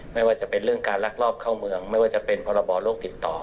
ไม่ว่าจะเป็นเรื่องการลักลอบเข้าเมืองไม่ว่าจะเป็นพรบโรคติดต่อ